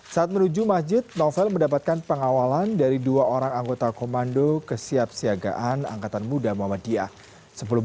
saat menuju masjid novel mendapatkan pengawalan dari dua orang anggota komando kesiapsiagaan angkatan muda muhammadiyah